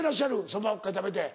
そばばっか食べて。